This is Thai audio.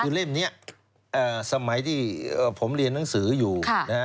คือเล่มนี้สมัยที่ผมเรียนหนังสืออยู่นะฮะ